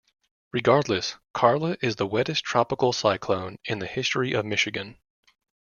Regardless, Carla is the wettest tropical cyclone in the history of Michigan.